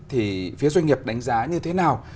thì phía doanh nghiệp đánh giá như thế nào